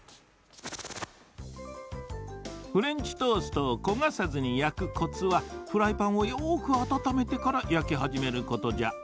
フレンチトーストをこがさずにやくコツはフライパンをよくあたためてからやきはじめることじゃ。